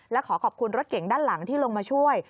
และขอขอบคุณรถเก่งด้านหลังที่ลงมาช่วย